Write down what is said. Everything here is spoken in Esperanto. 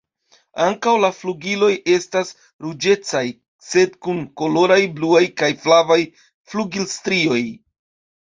Ankaŭ la flugiloj estas ruĝecaj sed kun koloraj blua kaj flava flugilstrioj.